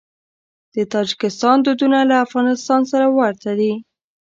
د تاجکستان دودونه له افغانستان سره ورته دي.